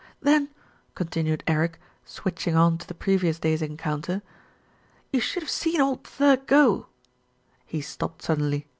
"Then," continued Eric, switching on to the previous day's encounter, "you should have seen old Thirk go " He stopped suddenly.